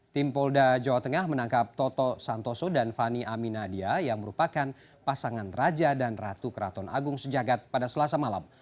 tim polda jawa tengah menangkap toto santoso dan fani aminadia yang merupakan pasangan raja dan ratu keraton agung sejagat pada selasa malam